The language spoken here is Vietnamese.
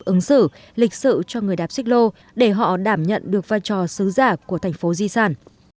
ứng xử lịch sự cho người đạp xích lô để họ đảm nhận được vai trò xứ giả của thành phố di sản